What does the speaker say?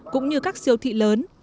cũng như các siêu thị lớn